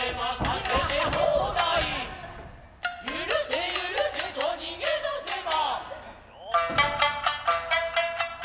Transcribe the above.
はい。